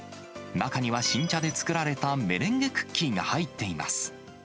中には新茶で作られたメレンゲクッキーが入っています。